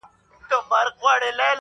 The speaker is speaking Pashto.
• حدِاقل چي ته مي باید پُخلا کړې وای.